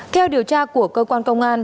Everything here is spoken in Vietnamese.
theo điều tra của cơ quan công an